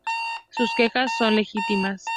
Sus quejas son legítimas